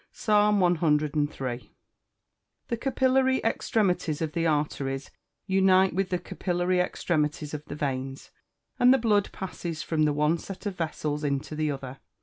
PSALM CIII.] The capillary extremities of the arteries, unite with the capillary extremities of the veins, and the blood passes from the one set of vessels into the other.